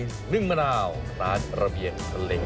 สนใจก็มากันได้ที่ร้าน